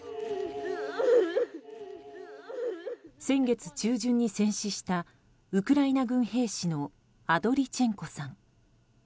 先月中旬に戦死したウクライナ軍兵士のアドリチェンコさん。